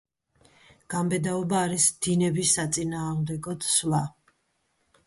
გამბედაობა არის დინების საწინააღმდეგოდ სვლა.